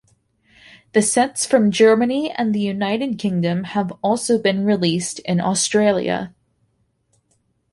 The sets from Germany and the United Kingdom have also been released in Australia.